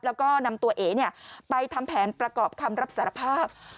แล้วก็นำตัวเอ๋ไปทำแผนประกอบคำรับสารภาพ